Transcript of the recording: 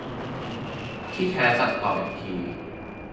ที่แท้ตัดต่ออีกที